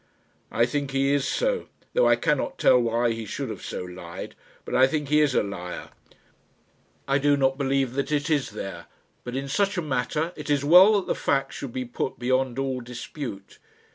"I think he is so, though I cannot tell why he should have so lied; but I think he is a liar; I do not believe that it is there; but in such a matter it is well that the fact should be put beyond all dispute.